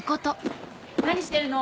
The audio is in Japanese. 何してるの？